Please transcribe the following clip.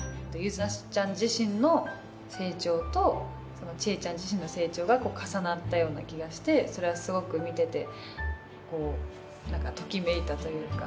柚凪ちゃん自身の成長と知恵ちゃん自身の成長が重なったような気がしてそれはすごく見ててときめいたというか。